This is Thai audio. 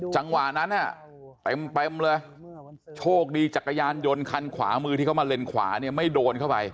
จังหวะนั้นเต็มเลยโชคดีจักรยานยนต์คันขวามือที่เขามาเลนขวาเนี่ยไม่โดนเข้าไป